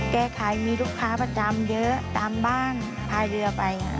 แก้ไขมีลูกค้าประจำเยอะตามบ้านพายเรือไป